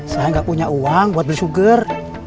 saya nggak punya uang buat beli sugar